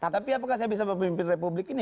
tapi apakah saya bisa memimpin republik ini